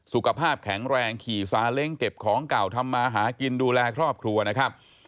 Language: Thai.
สุขภาพแข็งแรงขี่ซาเล้งเก็บของเก่าทำมาหากินดูแลครอบครัวนะครับ